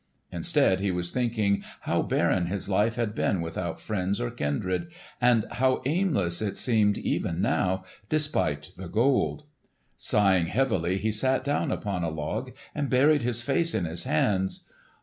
Instead, he was thinking how barren his life had been without friends or kindred, and how aimless it seemed even now, despite the Gold. Sighing heavily he sat down upon a log and buried his face in his hands.